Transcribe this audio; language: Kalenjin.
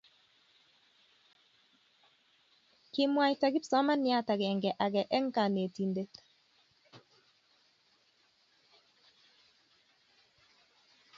kimwaita kipsomaniat agenge age eng' konetindet